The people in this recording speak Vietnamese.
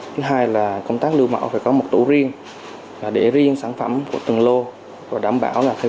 thứ hai là công tác lưu mẫu phải có một tủ riêng để riêng sản phẩm của từng lô và đảm bảo là thực